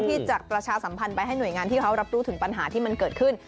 ที่จะประชาสัมพันธ์ไปให้หน่วยงานที่เขารับรู้ถึงปัญหาที่มันเกิดขึ้น